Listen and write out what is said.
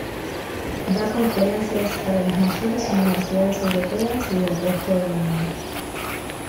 Da conferencias para las mayores universidades europeas y del resto del mundo.